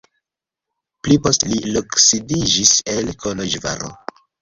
Pli poste li loksidiĝis en Koloĵvaro.